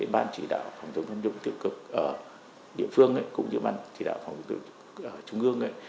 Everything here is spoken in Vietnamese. ban chỉ đạo phòng chống tham nhũng tiêu cực ở địa phương cũng như ban chỉ đạo phòng thủ ở trung ương